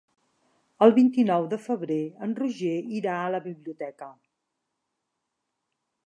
El vint-i-nou de febrer en Roger irà a la biblioteca.